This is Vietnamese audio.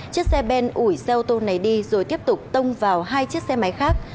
chiếc xe ben ủi xe ô tô này đi rồi tiếp tục tông vào hai chiếc xe máy khác